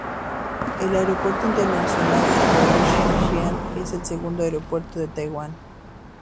El Aeropuerto Internacional de Kaohsiung es el segundo aeropuerto de Taiwán.